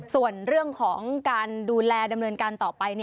ส่วนเรื่องของการดูแลดำเนินการต่อไป